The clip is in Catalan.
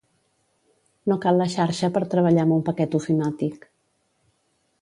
No cal la xarxa per treballar amb un paquet ofimàtic.